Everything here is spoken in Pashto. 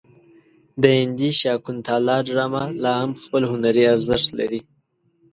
د هندي شاکونتالا ډرامه لا هم خپل هنري ارزښت لري.